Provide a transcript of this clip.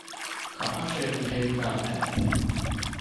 Copa llyfn heb garnedd.